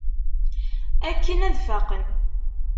Akken ad faqen.